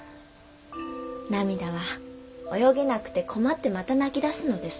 「ナミダは泳げなくて困ってまた泣きだすのです。